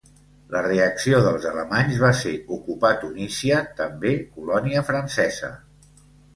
La reacció dels alemanys va ser ocupar Tunísia, també colònia francesa.